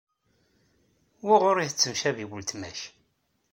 Wuɣur ay tettemcabi weltma-k?